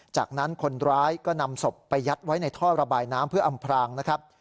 จากนั้นคนร้ายก็นำศพไปยัดไว้ในท่อระบายน้ำเพื่ออำพรางนะครับ